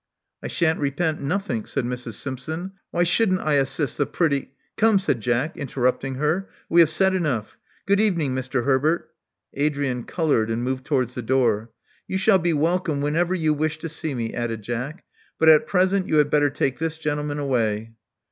'* I shan't repent nothink, said Mrs. Simpson. Why shouldn't I assist the pretty '* Come! said Jack, interrupting her, we have said enough. Good evening, Mr. Herbert.'* Adrian colored, and moved towards the door. You shall be welcome whenever you wish to see me," added Jack; but at present you had better take this gentle man away."